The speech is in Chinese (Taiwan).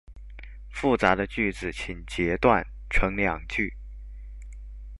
複雜的句子請截斷成兩句